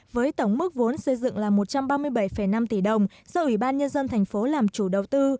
với tổng mức vốn xây dựng là một trăm ba mươi bảy năm tỷ đồng do ủy ban nhân dân thành phố làm chủ đầu tư